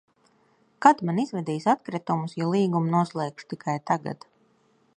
Kad man izvedīs atkritumus, ja līgumu noslēgšu tikai tagad?